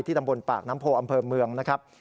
ตำบลปากน้ำโพอำเภอเมืองนะครับ